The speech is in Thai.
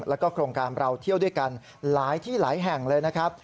แล้วก็โครงการเราเที่ยวด้วยกันหลายที่หลายแห่งเลยนะครับ